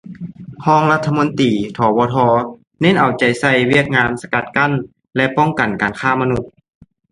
ຮອງລັດຖະມົນຕີ ຖວທ ເນັ້ນເອົາໃຈໃສ່ວຽກງານສະກັດກັ້ນ ແລະ ປ້ອງກັນການຄ້າມະນຸດ